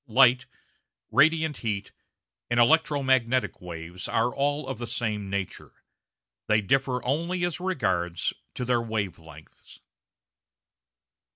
Light, radiant heat, and electro magnetic waves are all of the same nature; they differ only as regards their wave lengths.